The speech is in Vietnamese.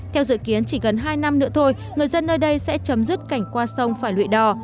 theo dự kiến chỉ gần hai năm nữa thôi người dân nơi đây sẽ chấm dứt cảnh qua sông phải lụy đò